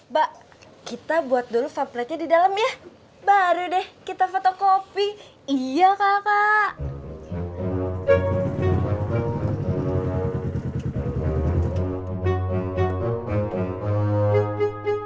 mbak kita buat dulu pampletnya di dalam ya baru deh kita foto kopi iya kakak